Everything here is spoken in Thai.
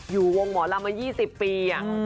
อยู่วงหมอลำมา๒๐ปี